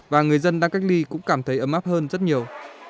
và người dân đang cách ly cũng cảm thấy ấm áp hơn rất nhiều